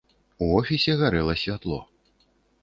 У офісе гарэла святло.